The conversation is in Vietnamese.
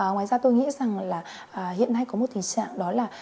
ngoài ra tôi nghĩ rằng là hiện nay có một tình trạng đó là